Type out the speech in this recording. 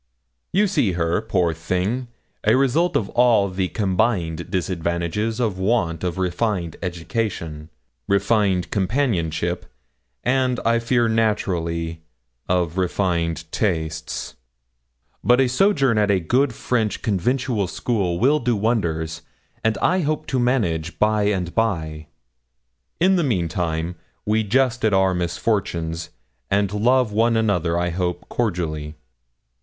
'You see her, poor thing, a result of all the combined disadvantages of want of refined education, refined companionship, and, I fear, naturally, of refined tastes; but a sojourn at a good French conventual school will do wonders, and I hope to manage by and by. In the meantime we jest at our misfortunes, and love one another, I hope, cordially.'